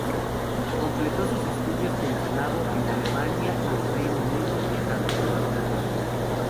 Completó sus estudios, pensionado, en Alemania y el Reino Unido, viajando por toda Europa.